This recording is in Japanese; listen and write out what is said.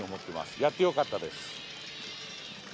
やってよかったです。